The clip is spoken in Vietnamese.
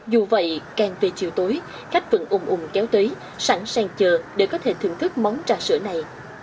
dù vậy càng về chiều tối khách vẫn ủng ủng kéo tí sẵn sàng chờ để có thể thưởng thức món trà sữa này